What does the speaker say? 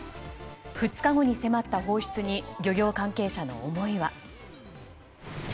２日後に迫った放出に漁業関係者の思いは。